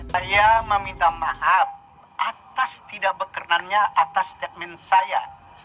saya meminta maaf atas tidak berkenannya atas statement saya